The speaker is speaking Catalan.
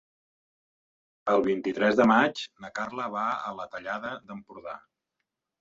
El vint-i-tres de maig na Carla va a la Tallada d'Empordà.